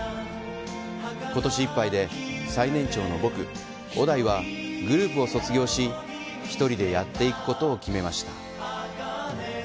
ことしいっぱいで、最年長の僕、小田井はグループを卒業し、１人でやっていくことを決めました。